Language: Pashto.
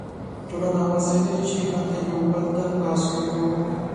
ټولنه هغه ځای دی چې هلته یو بل ته لاس ورکوو.